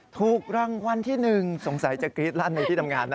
ถูกรางวัลที่๑สงสัยจะกรี๊ดลั่นในที่ทำงานนะ